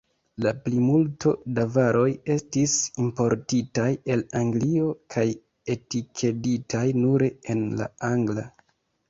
La plimulto da varoj estis importitaj el Anglio kaj etikeditaj nure en la angla.